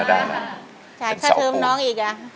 จ่ายค่าเทิมน้องอีกอ่ะ